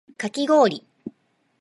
かき氷